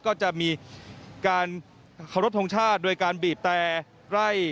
ก็จะมีการเข้ารถทรงชาติโดยการบีบแต่ร่าย